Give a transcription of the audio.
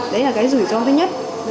đấy là cái rủi ro thứ nhất